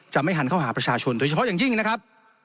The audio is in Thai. ไม่ทันเข้าหาประชาชนโดยเฉพาะอย่างยิ่งนะครับ